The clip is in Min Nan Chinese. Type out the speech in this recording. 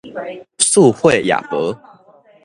欶血夜婆